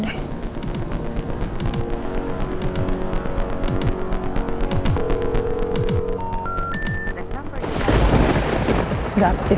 udah timsub mur dia